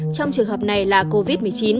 trong trường hợp này là covid một mươi chín